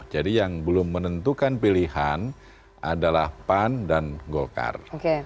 jadi yang belum menentukan pilihan adalah pan dan golkar